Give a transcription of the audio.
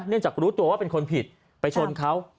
จากรู้ตัวว่าเป็นคนผิดไปชนเขา